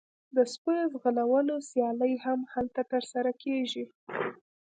د سپیو ځغلولو سیالۍ هم هلته ترسره کیږي